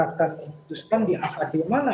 akan memutuskan di mana